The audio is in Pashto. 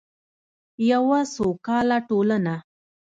یوه سوکاله ټولنه.